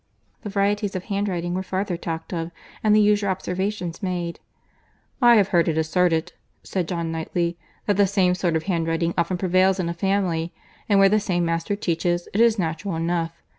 The varieties of handwriting were farther talked of, and the usual observations made. "I have heard it asserted," said John Knightley, "that the same sort of handwriting often prevails in a family; and where the same master teaches, it is natural enough.